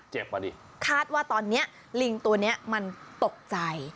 อ่ะดิคาดว่าตอนนี้ลิงตัวนี้มันตกใจ